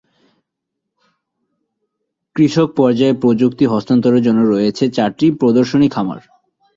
কৃষক পর্যায়ে প্রযুক্তি হস্তান্তরের জন্য রয়েছে চারটি প্রদর্শনী খামার।